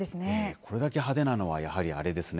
これだけ派手なのはやはりあれですね。